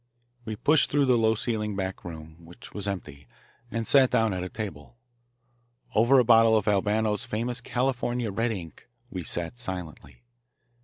We pushed through to the low ceilinged back room, which was empty, and sat down at a table. Over a bottle of Albano's famous California "red ink" we sat silently.